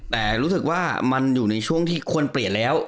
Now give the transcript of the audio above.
แต่รู้สึกว่ามันอยู่ในช่วงที่ควรเปลี่ยนแล้ว